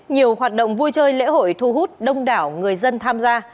nhiều hoạt động vui chơi lễ hội thu hút đông đảo người dân tham gia